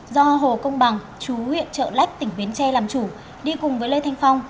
do hồ công bằng chú huyện trợ lách tỉnh bến tre làm chủ đi cùng với lê thanh phong